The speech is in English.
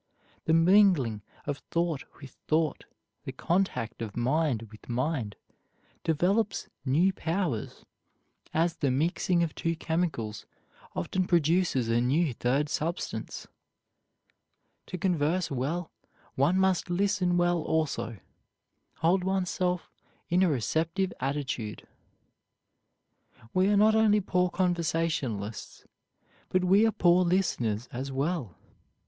The mingling of thought with thought, the contact of mind with mind, develops new powers, as the mixing of two chemicals often produces a new third substance. To converse well one must listen well also hold oneself in a receptive attitude. We are not only poor conversationalists, but we are poor listeners as well.